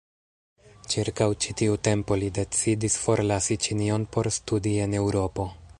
Ĉirkaŭ ĉi tiu tempo li decidis forlasi Ĉinion por studi en Eŭropo.